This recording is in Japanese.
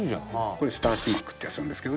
これ『スター・シマック』ってやつなんですけどね。